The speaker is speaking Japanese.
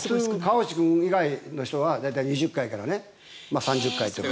川内君以外の人は大体２０回から３０回とか。